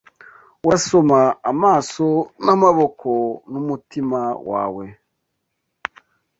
Urasoma amaso n'amaboko n'umutima wawe